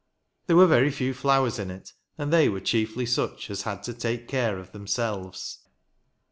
There were very few flowers in it, and they were chiefly such as had to take care of themselves.